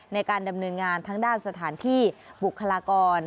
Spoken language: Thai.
ในการดำเนินงานทั้งด้านสถานที่บุคลากร